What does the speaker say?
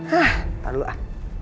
hah ntar dulu ah